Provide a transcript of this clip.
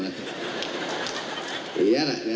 เหลียวน่ะเหลียวน่ะ